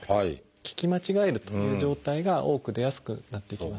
聞き間違えるという状態が多く出やすくなっていきますね。